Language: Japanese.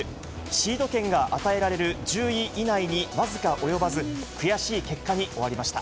シード権が与えられる１０位以内に僅か及ばず、悔しい結果に終わりました。